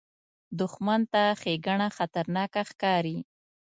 دښمن ته ښېګڼه خطرناکه ښکاري